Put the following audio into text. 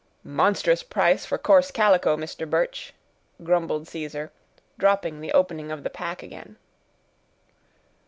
"Monstrous price for coarse calico, Mister Birch," grumbled Caesar, dropping the opening of the pack again.